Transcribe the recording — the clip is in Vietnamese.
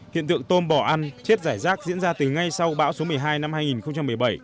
hiện tượng tôm bỏ ăn chết giải rác diễn ra từ ngay sau bão số một mươi hai năm hai nghìn một mươi bảy